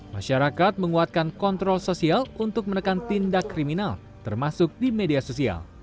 masyarakat menguatkan kontrol sosial untuk menekan tindak kriminal termasuk di media sosial